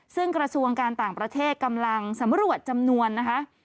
ซึ่งกระทรวงการต่างประเทศกำลังสำรวจจำนวนนะคะ